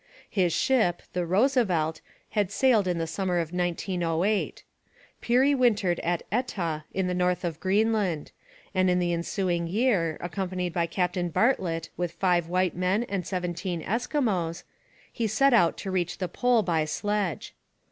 His ship, the Roosevelt, had sailed in the summer of 1908. Peary wintered at Etah in the north of Greenland, and in the ensuing year, accompanied by Captain Bartlett with five white men and seventeen Eskimos, he set out to reach the Pole by sledge.